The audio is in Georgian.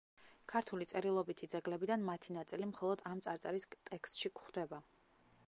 ქართული წერილობითი ძეგლებიდან მათი ნაწილი მხოლოდ ამ წარწერის ტექსტში გვხვდება.